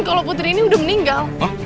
kalau putri ini udah meninggal